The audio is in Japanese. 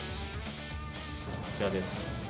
こちらです。